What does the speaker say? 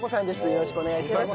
よろしくお願いします。